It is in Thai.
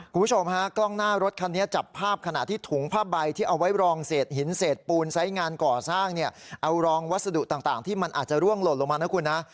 คุณผู้ชมฮะกล้องหน้ารถคันนี้จับภาพขณะที่ถุงผ้าใบที่เอาไว้รองเศษหินเศษปูนไซส์งานก่อสร้างเนี่ยเอารองวัสดุต่างที่มันอาจจะร่วงหล่นลงมานะคุณนะ